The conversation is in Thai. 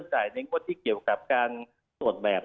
ก็จะจ่ายเงินในเงินที่เกี่ยวกับการสดแบบ